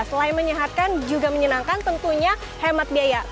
selain menyehatkan juga menyenangkan tentunya hemat biaya